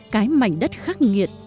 cái mảnh đất khắc nghiệt